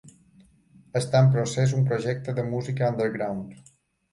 Està en procés un projecte de música underground.